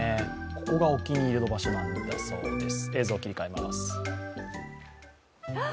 ここがお気に入りの場所なんだそうです。